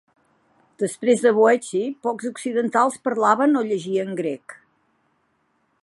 Després de Boeci, pocs occidentals parlaven o llegien grec.